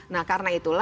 nah karena itu